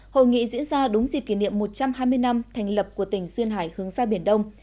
hội nghị diễn ra đúng dịp kỷ niệm một trăm hai mươi năm thành lập của tỉnh duyên hải hướng ra biển đông